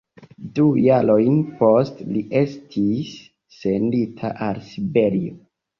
Du jarojn poste li estis sendita al Siberio.